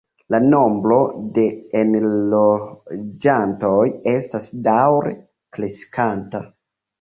La nombro de enloĝantoj estas daŭre kreskanta.